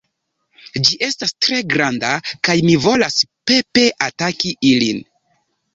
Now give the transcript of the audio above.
Ĝi estas tre granda. kaj mi volas pepe ataki ilin